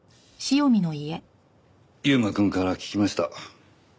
優馬くんから聞きました。